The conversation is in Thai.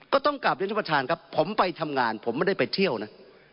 ก็ต้องกลับเรียนท่านประธานครับผมไปทำงานผมไม่ได้ไปเที่ยวนะ